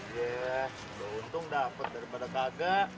ya sudah untung dapat daripada kagak